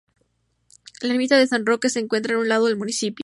La Ermita de San Roque se encuentra a un lado del municipio.